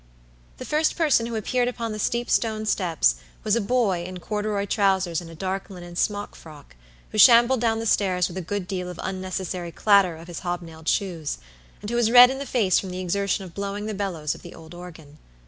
The first person who appeared upon the steep stone steps was a boy in corduroy trousers and a dark linen smock frock, who shambled down the stairs with a good deal of unnecessary clatter of his hobnailed shoes, and who was red in the face from the exertion of blowing the bellows of the old organ.